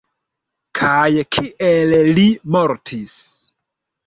Kaj kiel li mortis?